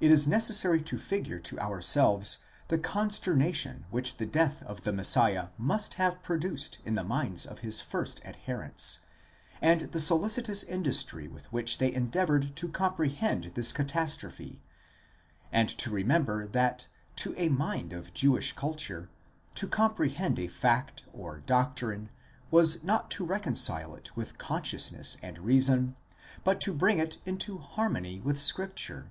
It is necessary to figure to ourselves the consternation which the death of the Messiah must have produced in the minds of his first adherents, and the solici tous industry with which they endeavoured to comprehend this catastrophe ; and to remember that to a mind of Jewish culture, to comprehend a fact or doctrine was not to reconcile it with consciousness and reason, but to bring it into harmony with scripture.